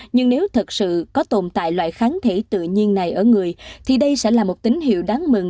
nhưng nếu thật sự có tồn tại loại kháng thể tự nhiên này ở người thì đây sẽ là một tín hiệu đáng mừng